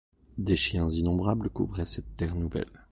Des chiens innombrables couvraient cette terre nouvelle.